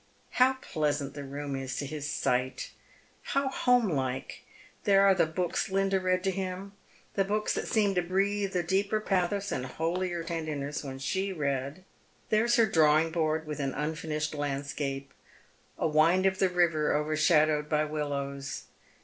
How pleasant the room is to his sight I how home like ! There are the books Linda read to him — the books that seemed to breathe a deeper pathos and holier tenderness when she read. There is her drawing board with an unfinished landscape, a wind of the river overshadowed by willows.